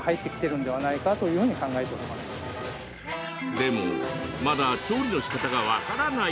でも、まだ調理のしかたが分からない